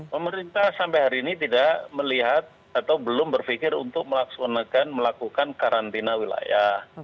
pemerintah sampai hari ini tidak melihat atau belum berpikir untuk melaksanakan melakukan karantina wilayah